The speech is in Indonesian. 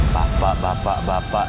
bapak bapak bapak